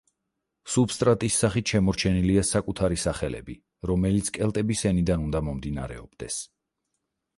სუბსტრატის სახით შემორჩენილია საკუთარი სახელები, რომელიც კელტების ენიდან უნდა მომდინარეობდეს.